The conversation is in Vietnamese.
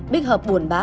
bích hợp buồn bá